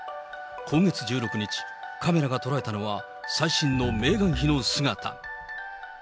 今月１６日、カメラがとらえたのは、最新のメーガン妃の姿。